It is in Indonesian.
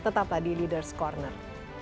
tetaplah di leaders corner